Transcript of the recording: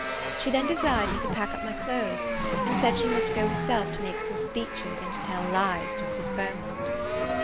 She then desired me to pack up my clothes; and said she must go herself to make speeches and tell lies to Mrs. Beaumont.